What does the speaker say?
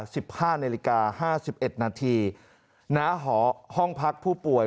สิบห้านาฬิกาห้าสิบเอ็ดนาทีณหอห้องพักผู้ป่วย